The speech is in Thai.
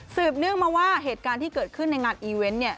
เนื่องมาว่าเหตุการณ์ที่เกิดขึ้นในงานอีเวนต์